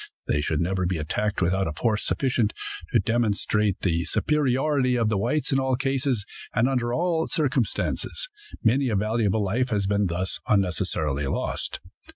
They should never be attacked without a force sufficient to demonstrate the superiority of the whites in all cases and under all circumstances. Many a valuable life has been thus unnecessarily lost.